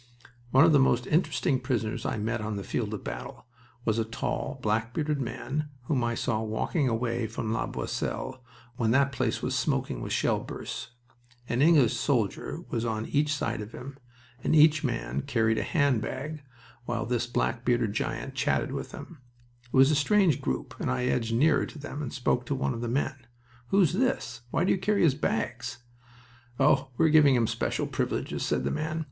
One of the most interesting prisoners I met on the field of battle was a tall, black bearded man whom I saw walking away from La Boisselle when that place was smoking with shell bursts. An English soldier was on each side of him, and each man carried a hand bag, while this black bearded giant chatted with them. It was a strange group, and I edged nearer to them and spoke to one of the men. "Who's this? Why do you carry his bags?" "Oh, we're giving him special privileges," said the man.